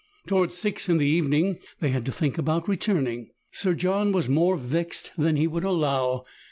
Towards six in the evening they had to think about returning. Sir John was more vexed than he would allow.